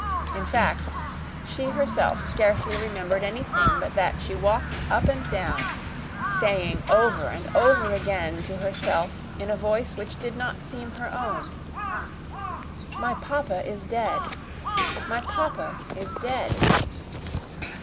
In fact, she herself scarcely remembered anything but that she walked up and down, saying over and over again to herself in a voice which did not seem her own, "My papa is dead! My papa is dead!"